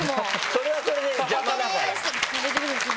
それはそれで邪魔だから。